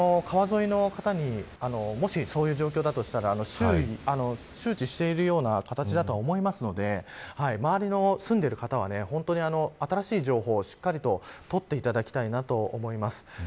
川沿いの方にもしそういう状況だとしたら周知している形だと思いますので周りの住んでいる方は新しい情報をしっかりと取っていただきたいなと思います。